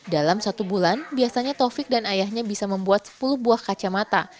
dalam satu bulan biasanya taufik dan ayahnya bisa membuat sepuluh buah kacamata